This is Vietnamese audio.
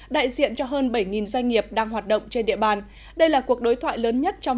đại diện cho hơn bảy doanh nghiệp đang hoạt động trên địa bàn đây là cuộc đối thoại lớn nhất trong